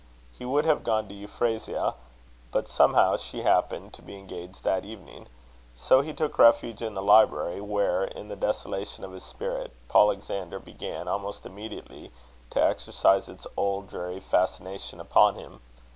He would have gone to Euphrasia, but somehow she happened to be engaged that evening. So he took refuge in the library, where, in the desolation of his spirit, Polexander began, almost immediately, to exercise its old dreary fascination upon him.